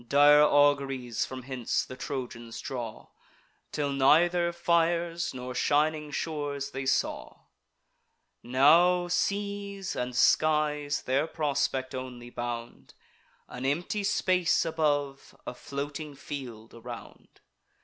Dire auguries from hence the Trojans draw; Till neither fires nor shining shores they saw. Now seas and skies their prospect only bound; An empty space above, a floating field around.